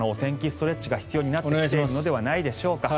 ストレッチが必要になってきているのではないでしょうか。